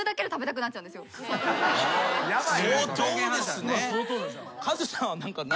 相当ですね。